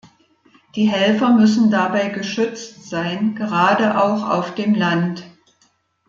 Die Helfer müssen dabei geschützt sein, gerade auch auf dem Land.